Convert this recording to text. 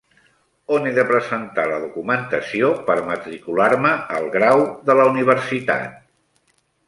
On he de presentar la documentació per matricular-me al grau de la universitat?